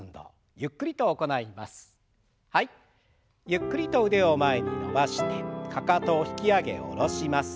ゆっくりと腕を前に伸ばしてかかとを引き上げ下ろします。